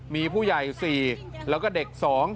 มีผู้ใหญ่๔แล้วก็เด็ก๒